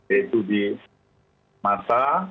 yaitu di masa